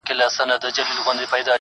خو دا هم ده چې دنننۍ